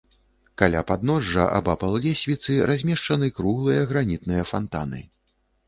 Каля падножжа, абапал лесвіцы, размешчаны круглыя гранітныя фантаны.